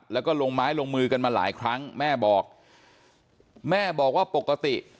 แล้วก็ลงไม้ลงมือกันมาหลายครั้งแม่บอกแม่บอกว่าปกติ